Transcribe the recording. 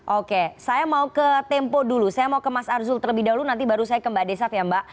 oke saya mau ke tempo dulu saya mau ke mas arzul terlebih dahulu nanti baru saya ke mbak desaf ya mbak